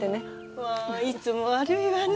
うわいつも悪いわね。